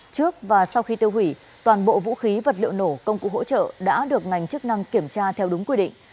trước và sau khi tiêu hủy toàn bộ vũ khí vật liệu nổ công cụ hỗ trợ đã được ngành chức năng kiểm tra theo đúng quy định